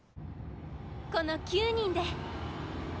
この９人で。